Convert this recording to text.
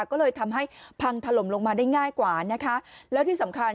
ก็เลยทำให้พังถล่มลงมาได้ง่ายกว่านะคะแล้วที่สำคัญ